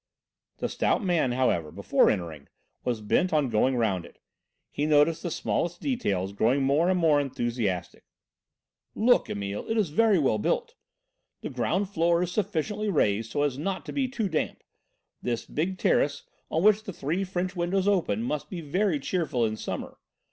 The stout man, however, before entering, was bent on going round it. He noticed the smallest details, growing more and more enthusiastic. "Look, Emile, it is very well built. The ground floor is sufficiently raised so as not to be too damp. This big terrace, on which the three French windows open, must be very cheerful in summer.